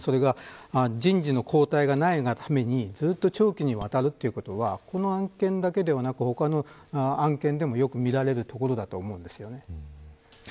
人事の交代がないためにずっと長期にわたるということはこの案件だけではなくて他の案件でもよく見られるところだと思うんですよね。